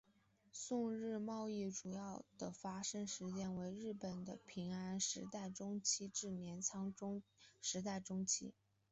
宋日贸易主要的发生时间为日本的平安时代中期至镰仓时代中期。